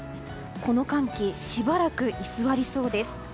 この寒気、しばらく居座りそうです。